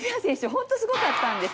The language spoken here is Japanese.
本当にすごかったんです。